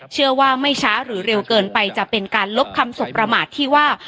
เชื่อว่าไม่ช้าหรือเร็วเกินไปจะเป็นการลบคำสบประมาทที่ว่า